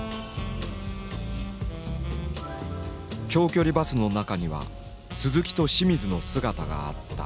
長距離バスの中には鈴木と清水の姿があった。